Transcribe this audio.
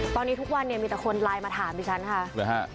ตอนนี้ทุกวันเนี่ยมีแต่คนไลน์มาถามดิฉันค่ะหรือฮะ